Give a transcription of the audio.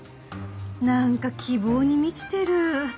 なんか希望に満ちてる。